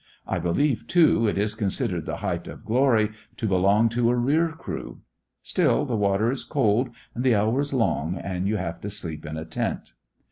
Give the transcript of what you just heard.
I believe, too, it is considered the height of glory to belong to a rear crew. Still, the water is cold and the hours long, and you have to sleep in a tent.